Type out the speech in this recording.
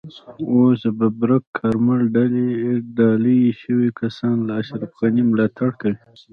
اوس د ببرک کارمل ډالۍ شوي کسان له اشرف غني ملاتړ کوي.